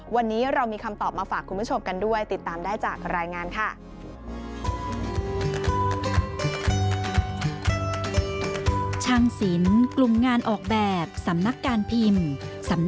วันนี้เรามีคำตอบมาฝากคุณผู้ชมกันด้วยติดตามได้จากรายงานค่ะ